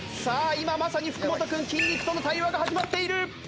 今まさに福本君筋肉との対話が始まっている！